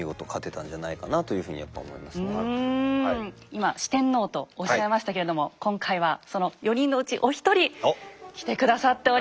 今「四天王」とおっしゃいましたけれども今回はその４人のうちお一人来て下さっております。